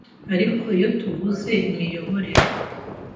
Ariko iyo tuvuze imiyoborere